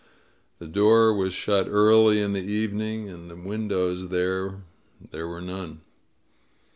••• The door was shut early in the evening, and windows there were none.